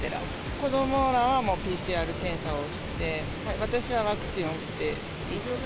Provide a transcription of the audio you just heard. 子どもらはもう、ＰＣＲ検査をして、私はワクチンを打っていって、